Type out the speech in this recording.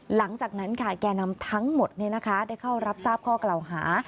หลังจากนั้นค่ะแก่นำทั้งหมดได้เข้ารับทราบข้อกล่าวหา